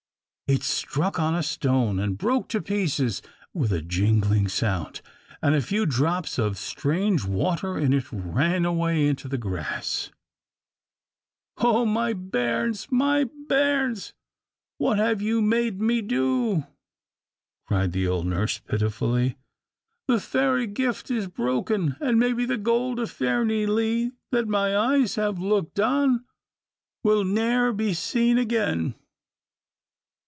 It struck on a stone, and broke to pieces with a jingling sound, and the few drops of strange water in it ran away into the grass. "Oh, ma bairns, ma bairns, what have you made me do?" cried the old nurse pitifully. "The fairy gift is broken, and maybe the Gold of Fairnilee, that my eyes have looked on, will ne'er be seen again."